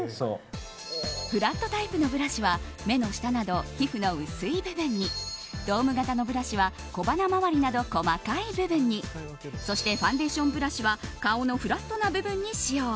フラットタイプのブラシは目の下など皮膚の薄い部分にドーム形のブラシは小鼻周りなど細かい部分にそしてファンデーションブラシは顔のフラットな部分に使用。